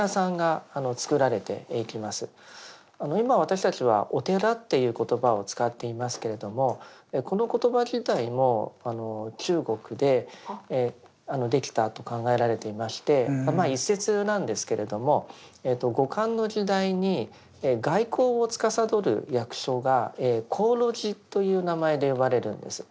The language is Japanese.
今私たちは「お寺」っていう言葉を使っていますけれどもこの言葉自体も中国でできたと考えられていまして一説なんですけれども後漢の時代に外交をつかさどる役所が鴻臚寺という名前で呼ばれるんです。